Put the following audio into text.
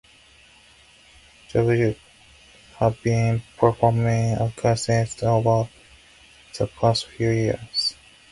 Datblygu have been performing occasionally over the past few years.